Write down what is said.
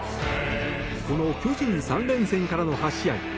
この巨人３連戦からの８試合